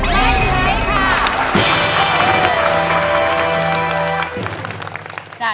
ไม่ใช้ค่ะ